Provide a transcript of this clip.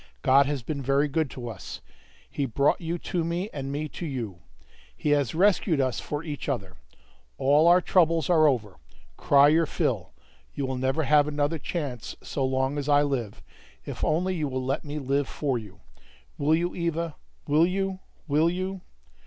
God has been very good to us. He brought you to me, and me to you. He has rescued us for each other. All our troubles are over; cry your fill; you will never have another chance so long as I live, if only you will let me live for you. Will you, Eva? Will you? Will you?"